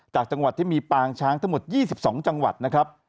จากจังหวัดที่มีปางช้างทั้งหมด๒๒จังหวัดนะครับ